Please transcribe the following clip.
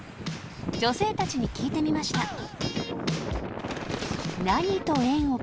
［女性たちに聞いてみました］